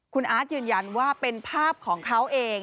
คุณอาร์ตยืนยันว่าเป็นภาพของเขาเอง